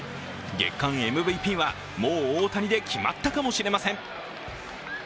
月間ＭＶＰはもう大谷で決まったかもしれません。